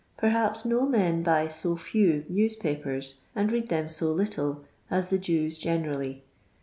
Perhaps no men buy so few newspapers, and read them so little, as the Jews generally.